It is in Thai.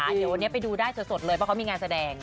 เดี๋ยววันนี้ไปดูได้สดเลยเพราะเขามีงานแสดง